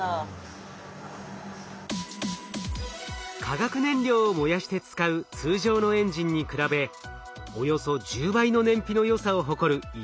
化学燃料を燃やして使う通常のエンジンに比べおよそ１０倍の燃費のよさを誇るイオンエンジン。